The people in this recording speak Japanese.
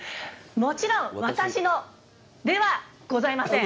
もちろん私のではございません！